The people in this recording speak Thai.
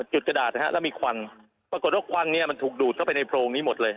กระดาษนะฮะแล้วมีควันปรากฏว่าควันเนี่ยมันถูกดูดเข้าไปในโพรงนี้หมดเลย